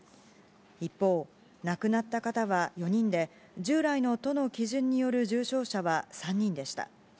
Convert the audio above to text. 一方、亡くなった方は４人で、従来の都の基準による重症者は３人でした。